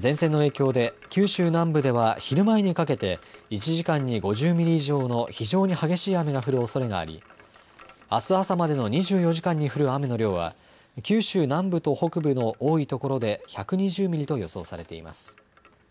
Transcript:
前線の影響で九州南部では昼前にかけて１時間に５０ミリ以上の非常に激しい雨が降るおそれがありあす朝までの２４時間に降る雨の量は九州南部と北部の多いところで１２０ミリと予想されています。